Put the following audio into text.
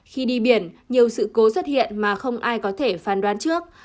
khi đi biển nhiều sự cố xuất hiện mà không ai có thể phán đoán trước